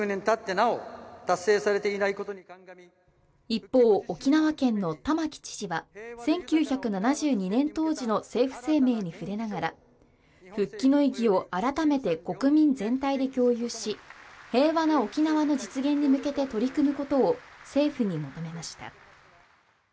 一方、沖縄県の玉城知事は１９７２年当時の政府声明に触れながら、復帰の意義を改めて国民全体で共有し平和な沖縄の実現に向けて取り組むことを政府に求めました。